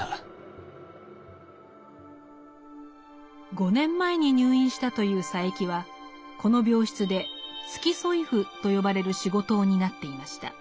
５年前に入院したという佐柄木はこの病室で「付添夫」と呼ばれる仕事を担っていました。